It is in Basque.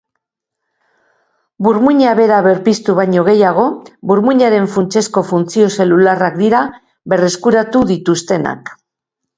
Burmuina bera berpiztu baino gehiago, burmuinaren funtsezko funtzio zelularrak dira berreskuratu dituztenak.